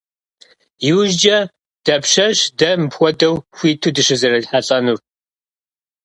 ИужькӀэ дапщэщ дэ мыпхуэдэу хуиту дыщызэрихьэлӀэнур?